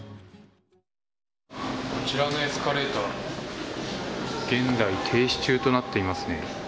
こちらのエスカレーター現在停止中となっていますね。